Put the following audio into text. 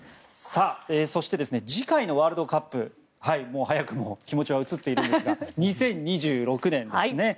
そして次回のワールドカップ早くも気持ちは移っているのですが２０２６年ですね。